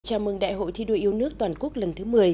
chào mừng đại hội thi đua yêu nước toàn quốc lần thứ một mươi